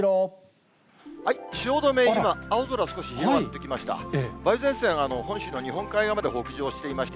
汐留、今、青空少し広がってきました。